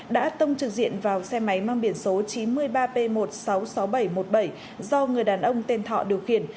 đã tông trực diện vào xe máy mang biển số chín mươi ba p một trăm sáu mươi sáu nghìn bảy trăm một mươi bảy do người đàn ông tên thọ điều khiển